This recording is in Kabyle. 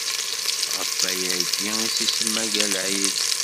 Ɣef wayagi i s-isemma Galɛid.